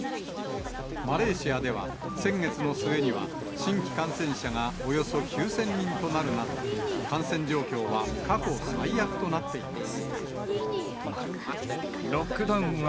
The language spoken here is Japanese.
マレーシアでは先月の末には、新規感染者がおよそ９０００人となるなど、感染状況は過去最悪となっています。